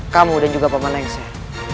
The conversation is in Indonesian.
kamu dan juga paman lain saya